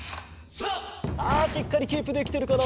しっかりキープできてるかな？